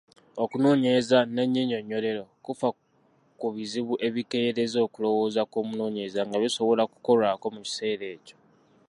Okunoonyereza nnannyinyonnyolero kufa ku bizibu ebikeeyereza okulowooza kw’omunoonyereza nga bisobola kukolwako mu kiseera ekyo.